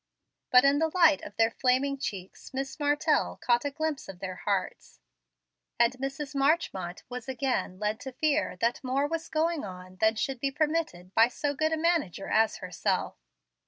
But in the light of their flaming cheeks Miss Martell caught a glimpse of their hearts; and Mrs. Marchmont was again led to fear that more was going on than should be permitted by so good a manager as herself.